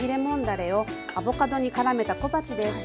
だれをアボカドにからめた小鉢です。